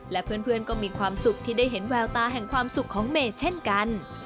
และเพื่อนก็มีความสุขที่ได้เห็นแววตาแห่งความสุขของเมย์เช่นกัน